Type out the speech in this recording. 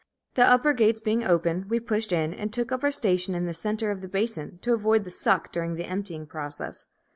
The upper gates being open, we pushed in, and took up our station in the centre of the basin, to avoid the "suck" during the emptying process.